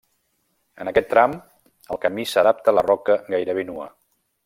En aquest tram el camí s'adapta a la roca gairebé nua.